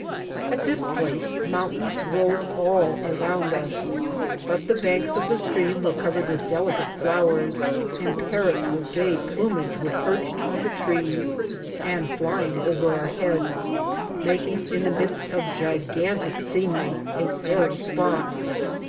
At this place mountains rose all around us; but the banks of the stream were covered with delicate flowers, and parrots with gay plumage were perched on the trees and flying over our heads, making, in the midst of gigantic scenery, a fairy spot.